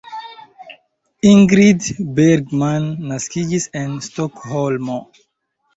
Ingrid Bergman naskiĝis en Stokholmo.